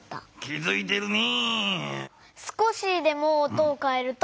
気づいてるね！